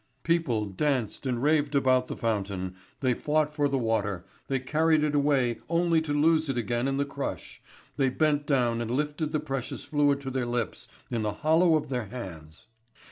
People danced and raved about the fountain, they fought for the water, they carried it away only to lose it again in the crush, they bent down and lifted the precious fluid to their lips in the hollow of their hands.